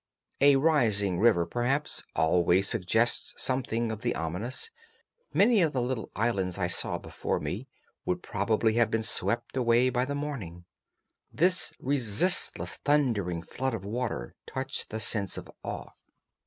A rising river, perhaps, always suggests something of the ominous; many of the little islands I saw before me would probably have been swept away by the morning; this resistless, thundering flood of water touched the sense of awe.